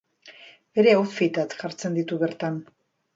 Bere outfitak jartzen ditu bertan.